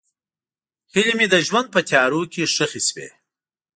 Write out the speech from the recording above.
هیلې مې د ژوند په تیارو کې ښخې شوې.